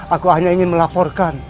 aku hanya ingin melaporkan